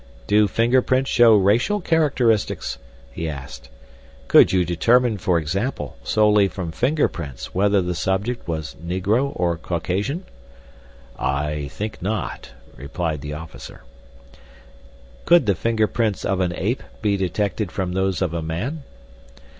"Do fingerprints show racial characteristics?" he asked. "Could you determine, for example, solely from fingerprints whether the subject was Negro or Caucasian?" "I think not," replied the officer. "Could the finger prints of an ape be detected from those of a man?"